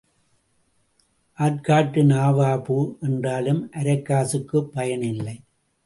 ஆர்க்காட்டு நவாபு என்றாலும் அரைக்காசுக்குப் பயன் இல்லை.